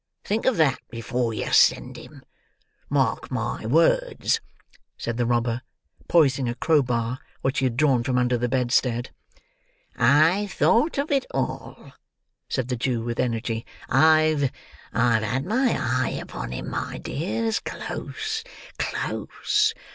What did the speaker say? Think of that, before you send him. Mark my words!" said the robber, poising a crowbar, which he had drawn from under the bedstead. "I've thought of it all," said the Jew with energy. "I've—I've had my eye upon him, my dears, close—close.